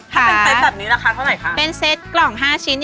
ถ้าเป็นเซ็ตอันตรีนะคะเท่าไหนคะ